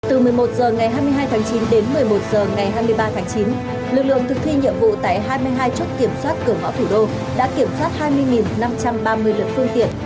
từ một mươi một h ngày hai mươi hai tháng chín đến một mươi một h ngày hai mươi ba tháng chín lực lượng thực thi nhiệm vụ tại hai mươi hai chốt kiểm soát cửa ngõ thủ đô đã kiểm soát hai mươi năm trăm ba mươi lượt phương tiện